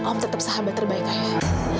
om tetap sahabat terbaik ayah